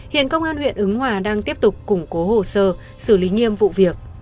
hiện công an huyện ứng hòa đang tiếp tục củng cố hồ sơ xử lý nghiêm vụ việc